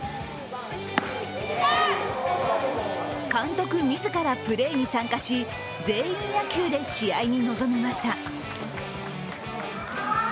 監督自らプレーに参加し、全員野球で試合に臨みました。